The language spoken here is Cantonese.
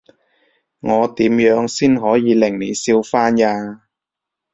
我點樣先可以令你笑返呀？